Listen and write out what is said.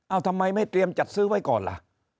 เอาทำไมไม่เตรียมจัดซื้อไว้ก่อนล่ะ